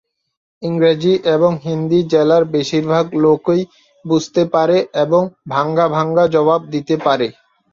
ইংরেজি এবং হিন্দি জেলার বেশিরভাগ লোকই বুঝতে পারে এবং ভাঙ্গা ভাঙ্গা জবাব দিতে পারে।